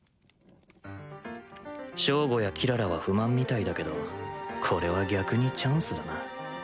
ショウゴやキララは不満みたいだけどこれは逆にチャンスだな